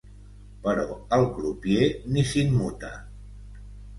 Però el crupier ni s'immuta.